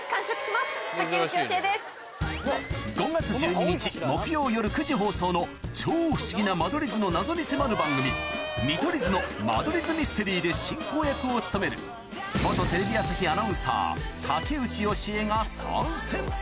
５月１２日木曜夜９時放送の超不思議な間取り図の謎に迫る番組『見取り図の間取り図ミステリー』で進行役を務めるが参戦